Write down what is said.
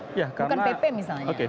bukan pp misalnya